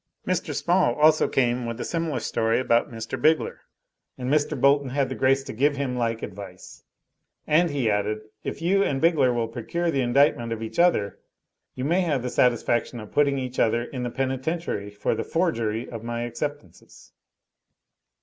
Mr. Small also came with a similar story about Mr. Bigler; and Mr. Bolton had the grace to give him like advice. And he added, "If you and Bigler will procure the indictment of each other, you may have the satisfaction of putting each other in the penitentiary for the forgery of my acceptances."